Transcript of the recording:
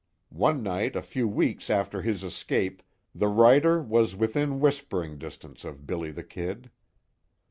One night a few weeks after his escape, the writer was within whispering distance of "Billy the Kid."